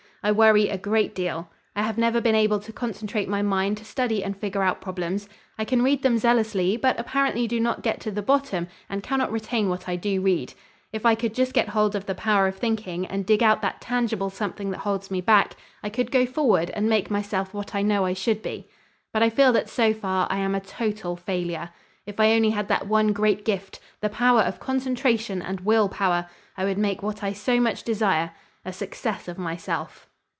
I worry a great deal. I have never been able to concentrate my mind to study and figure out problems. I can read them zealously but apparently do not get to the bottom and cannot retain what I do read. If I could just get hold of the power of thinking and dig out that tangible something that holds me back, I could go forward and make myself what I know I should be. But I feel that so far I am a total failure. If I only had that one great gift, the power of concentration and will power, I would make what I so much desire, a success of myself."